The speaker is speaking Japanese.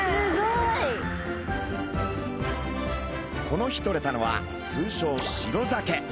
この日とれたのは通称シロザケ。